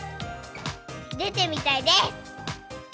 出てみたいです。